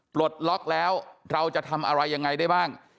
ปลดล็อกแล้วเราจะทำอะไรยังไงได้บ้าง